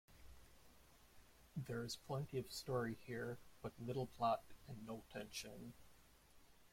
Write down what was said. There is plenty of story here, but little plot, and no tension.